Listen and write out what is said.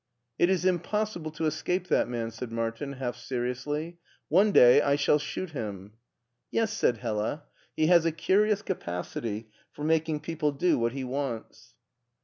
" It is impossible to escape that man," said Martin, half seriously. " One day I shall shoot him." " Yes," said Hella, " he has a curious capacity for making people do what he wants."